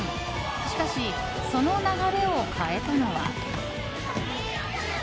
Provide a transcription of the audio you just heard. しかし、その流れを変えたのは。